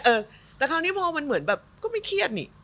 เออแต่คราวนี้พอมันเหมือนแบบก็ไม่เครียดนี่